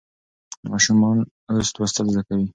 ماشومان اوس لوستل زده کوي.